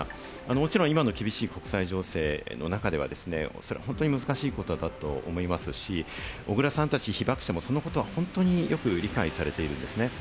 もちろん今の厳しい国際情勢の中では、それは本当に難しいことだと思いますし、小倉さんたち被爆者もそのことは本当によく理解されてるんですね。